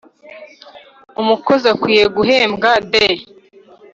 umukozi akwiye guhembwa - the